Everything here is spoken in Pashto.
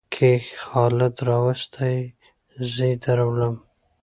کې خالد راوستى؛ زې درولم.